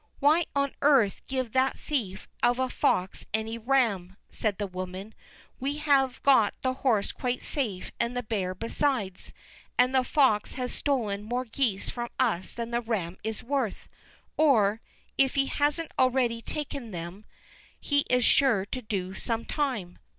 "Why on earth give that thief of a fox any ram?" said the woman. "We have got the horse quite safe and the bear besides, and the fox has stolen more geese from us than the ram is worth; or, if he hasn't already taken them, he is sure to do so some time.